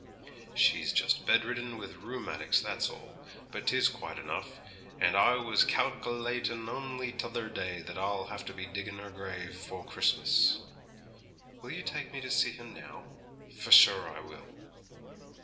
'She's just bedridden with rheumatics, that's all; but 'tis quite enough; and I was calkilatin' only t'other day that I'll have to be diggin' her grave afore Christmas.' 'Will you take me to see her now?' 'For sure I will.'